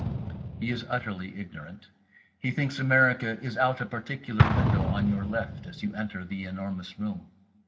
He is utterly ignorant. He thinks America is out of a particular window on your left as you enter The Enormous Room.